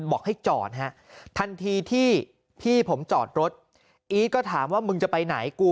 บอกให้จอดฮะทันทีที่พี่ผมจอดรถอีทก็ถามว่ามึงจะไปไหนกู